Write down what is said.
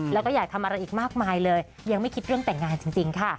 แล้วก็อยากทำอะไรอีกมากมายเลยยังไม่คิดเรื่องแต่งงานจริงค่ะ